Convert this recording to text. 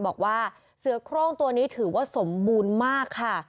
บอกว่าเสือโครงตัวนี้ถือว่าสมบูรณ์มากค่ะ